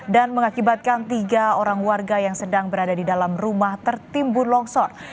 dan mengakibatkan tiga orang warga yang sedang berada di dalam rumah tertimbul longsor